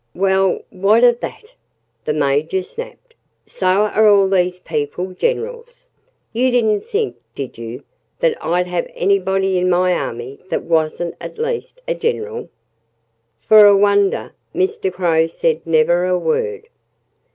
"Well, what of that?" the Major snapped. "So are all these people generals! You didn't think did you? that I'd have anybody in my army that wasn't at least a general?" For a wonder, Mr. Crow said never a word.